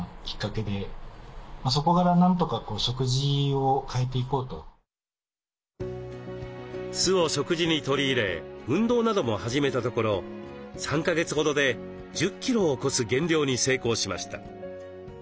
一念発起してなんとか酢を食事に取り入れ運動なども始めたところ３か月ほどで１０キロを超す減量に成功しました。